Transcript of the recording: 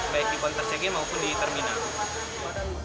baik di ponter cg maupun di terminal